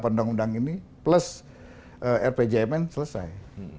undang undang ini plus rpjmn selesai